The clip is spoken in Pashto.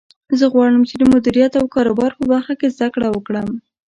زه غواړم چې د مدیریت او کاروبار په برخه کې زده کړه وکړم